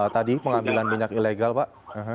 tadi pengambilan minyak ilegal pak